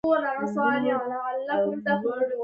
دغه پاڅون د سربدارانو په نوم یادیده.